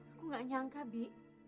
aku gak nyangka bi